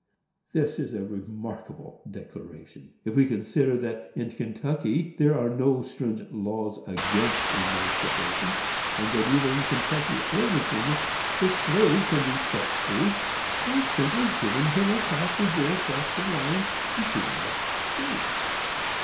This is a remarkable declaration, if we consider that in Kentucky there are no stringent laws against emancipation, and that, either in Kentucky or Virginia, the slave can be set free by simply giving him a pass to go across the line into the next state.